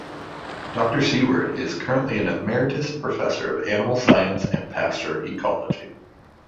Doctor Siewerdt is currently an Emeritus Professor of Animal Science and Pasture Ecology.